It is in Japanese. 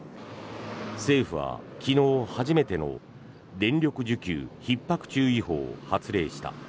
政府は昨日初めての電力需給ひっ迫注意報を発令した。